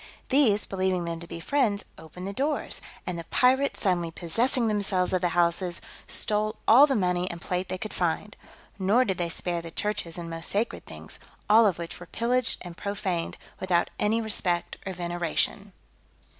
These, believing them to be friends, opened the doors; and the pirates, suddenly possessing themselves of the houses, stole all the money and plate they could find. Nor did they spare the churches and most sacred things; all of which were pillaged and profaned, without any respect or veneration.